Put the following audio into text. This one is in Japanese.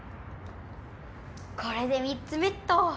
これで３つ目っと！